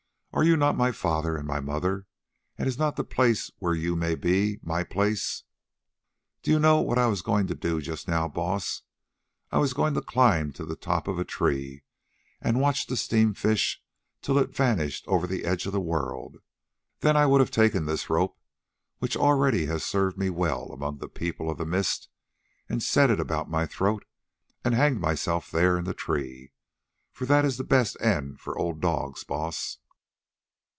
"Are you not my father and my mother, and is not the place where you may be my place? Do you know what I was going to do just now, Baas? I was going to climb to the top of a tree and watch the Steam fish till it vanished over the edge of the world; then I would have taken this rope, which already has served me well among the People of the Mist, and set it about my throat and hanged myself there in the tree, for that is the best end for old dogs, Baas."